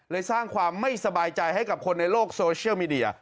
สร้างความไม่สบายใจให้กับคนในโลกโซเชียลมีเดีย